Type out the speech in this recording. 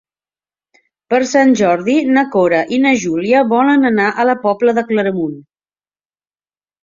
Per Sant Jordi na Cora i na Júlia volen anar a la Pobla de Claramunt.